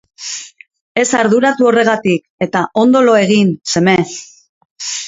Ez arduratu horregatik eta ondo lo egin seme.